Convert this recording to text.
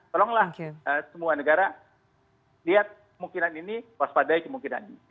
tolonglah semua negara lihat kemungkinan ini waspadai kemungkinan ini